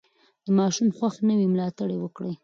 که ماشوم خوښ نه وي، ملاتړ یې وکړئ.